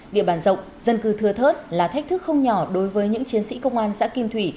địa bàn rộng dân cư thưa thớt là thách thức không nhỏ đối với những chiến sĩ công an xã kim thủy